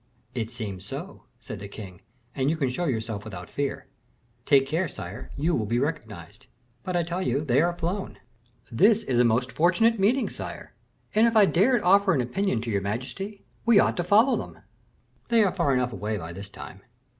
"It seems so," said the king, "and you can show yourself without fear." "Take care, sire, you will be recognized." "But I tell you they are flown." "This is a most fortunate meeting, sire; and, if I dared offer an opinion to your majesty, we ought to follow them." "They are far enough away by this time."